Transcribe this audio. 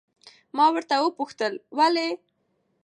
ما ورته وپوښتل ولې؟